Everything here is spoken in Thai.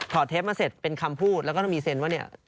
เทปมาเสร็จเป็นคำพูดแล้วก็ต้องมีเซ็นว่าเนี่ย